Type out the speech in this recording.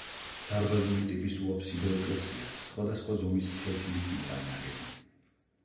დარბაზული ტიპის უაბსიდო ეკლესია სხვადასხვა ზომის ფლეთილი ქვითაა ნაგები.